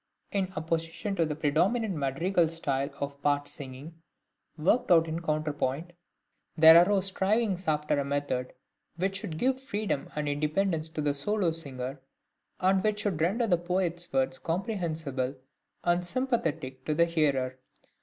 } (155) In opposition to the predominant madrigal style of part singing, worked out in counterpoint, there arose strivings after a method which should give freedom and independence to the solo singer, and which should render the poet's words comprehensible and sympathetic to the hearer.